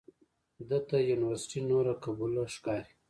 ده ته یونورسټي نوره قبوله ښکاري.